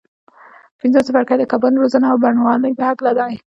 پنځم څپرکی د کبانو روزنه او بڼوالۍ په هکله دی.